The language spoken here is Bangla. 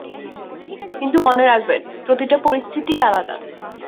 কিন্তু মনে রাখবেন, প্রতিটি পরিস্থিতিই আলাদা।